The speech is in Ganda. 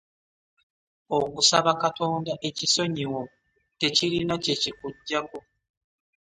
Okusaba katonda ekisonyiwo tekirina kye kikuggyako.